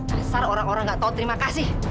kasar orang orang gak tau terima kasih